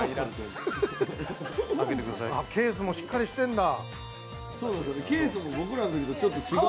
ケースもしっかりしてるんだ。